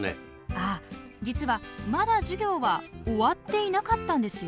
ああ実はまだ授業は終わっていなかったんですよ。